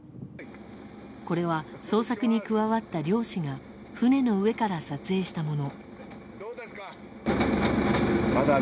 これは、捜索に加わった漁師が船の上から撮影したもの。